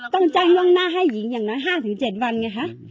ต้องจ้างล่วงหน้าให้หญิงอย่างน้อย๕๗วันไงคะ